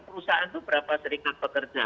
perusahaan itu berapa serikat pekerja